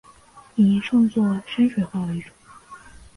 以创作山水画为主。